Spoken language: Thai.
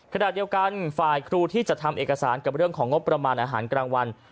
ขณะเดียวกันฝ่ายครูที่จะทำเอกสารกับเรื่องของงบประมาณอาหารกลางวัน